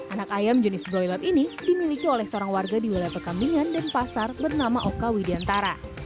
anak ayam jenis broiler ini dimiliki oleh seorang warga di wilayah pekambingan denpasar bernama oka widiantara